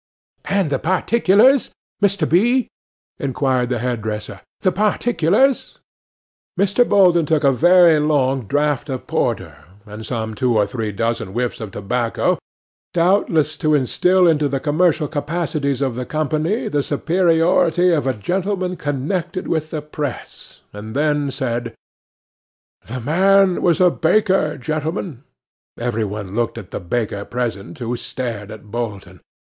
'And the particulars, Mr. B.,' inquired the hairdresser, 'the particulars?' Mr. Bolton took a very long draught of porter, and some two or three dozen whiffs of tobacco, doubtless to instil into the commercial capacities of the company the superiority of a gentlemen connected with the press, and then said— 'The man was a baker, gentlemen.' (Every one looked at the baker present, who stared at Bolton.)